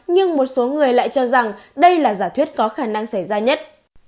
nhưng một số người lại cho rằng đây là giả thuyết có khả năng xảy ra nhất